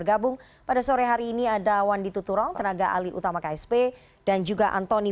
jangan botsp western kembali masuk ngoe lagu